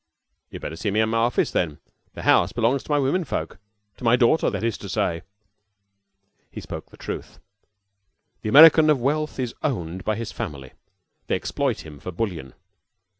"You'd better see me in my office, then. The house belongs to my women folk to my daughter, that is to say." He spoke the truth. The American of wealth is owned by his family. They exploit him for bullion.